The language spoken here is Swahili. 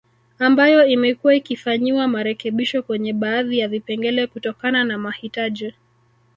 Ambayo imekuwa ikifanyiwa marekebisho kwenye baadhi ya vipengele kutokana na mahitaji